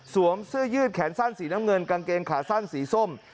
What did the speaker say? เสื้อยืดแขนสั้นสีน้ำเงินกางเกงขาสั้นสีส้ม